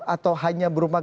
atau hanya berumah